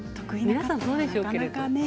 皆さんもそうでしょうけどね。